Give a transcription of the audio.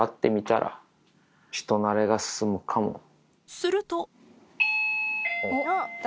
すると誰？